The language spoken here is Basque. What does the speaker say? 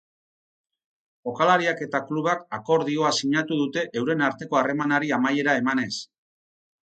Jokalariak eta klubak akordioa sinatu dute euren arteko harremanari amaiera emanez.